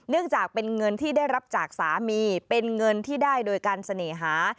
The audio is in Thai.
เนื่องจากเป็นเงินที่ได้รับจากสามีเป็นเงินที่ได้โดยการเสน่หา